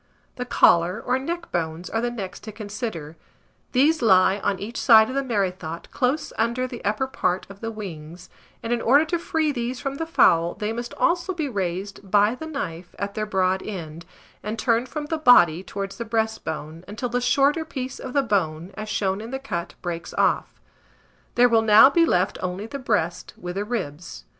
The collar or neck bones are the next to consider: these lie on each side of the merrythought, close under the upper part of the wings; and, in order to free these from the fowl, they must also be raised by the knife at their broad end, and turned from the body towards the breastbone, until the shorter piece of the bone, as shown in the cut, breaks off. There will now be left only the breast, with the ribs.